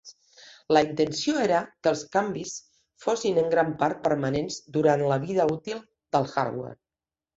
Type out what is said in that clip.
La intenció era que els canvis fossin en gran part permanents durant la vida útil del hardware.